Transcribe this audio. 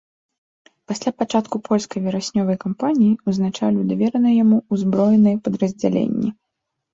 Пасля пачатку польскай вераснёвай кампаніі узначаліў давераныя яму ўзброеныя падраздзяленні.